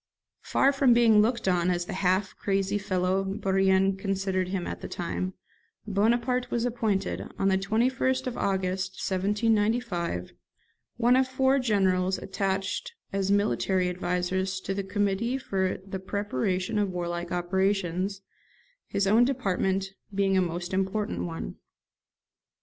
Far from being looked on as the half crazy fellow Bourrienne considered him at that time, Bonaparte was appointed, on the 21st of August 1795, one of four generals attached as military advisers to the Committee for the preparation of warlike operations, his own department being a most important one.